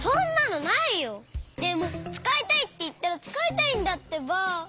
でもつかいたいっていったらつかいたいんだってば！